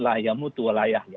layamu tua layah